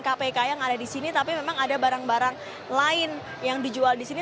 kami juga melihat barang barang kpk yang ada di sini tapi memang ada barang barang lain yang dijual di sini